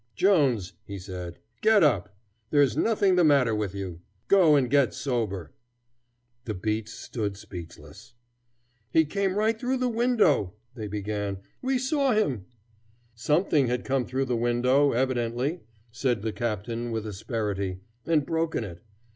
"Jones," he said, "get up! There is nothing the matter with you. Go and get sober." The beats stood speechless. "He came right through this window," they began. "We saw him " "Something has come through the window, evidently," said the captain, with asperity, "and broken it.